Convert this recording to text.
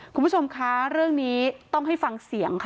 คุณผู้ชมคะเรื่องนี้ต้องให้ฟังเสียงค่ะ